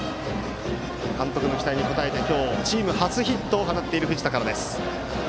監督の期待に応えて今日チーム初ヒットを放っている藤田からです。